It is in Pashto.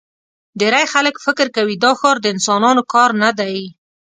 ډېری خلک فکر کوي دا ښار د انسانانو کار نه دی.